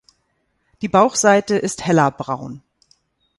Die Bauchseite ist heller braun.